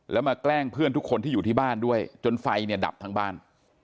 แล้วมาแกล้งเพื่อนทุกคนที่อยู่ที่บ้านด้วยจนไฟเนี่ยดับทั้งบ้าน